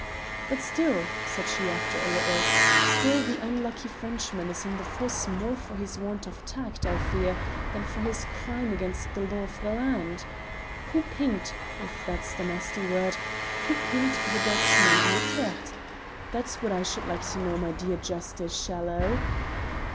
"But still," said she after a little "still the unlucky Frenchman is in the fosse more for his want of tact, I fear, than for his crime against the law of the land. Who pinked if that's the nasty word who pinked the Dutchman in Utrecht? that's what I should like to know, my dear Justice Shallow."